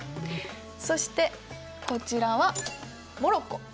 そしてこちらはモロッコ。